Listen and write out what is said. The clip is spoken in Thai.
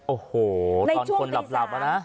โอ้โหตอนคนหลับนะ